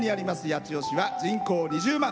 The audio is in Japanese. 八千代市は人口２０万。